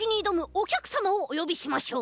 おきゃくさまをおよびしましょう。